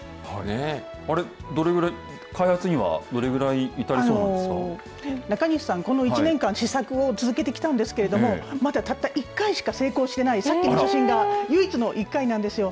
あれ、開発にはどれぐらい至中西さん、この１年間試作を続けてきたんですけれども、まだたった１回しか成功してない、さっきの写真が唯一の１回なんですよ。